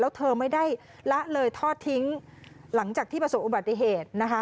แล้วเธอไม่ได้ละเลยทอดทิ้งหลังจากที่ประสบอุบัติเหตุนะคะ